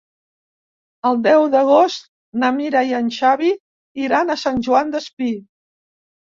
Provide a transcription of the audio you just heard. El deu d'agost na Mira i en Xavi iran a Sant Joan Despí.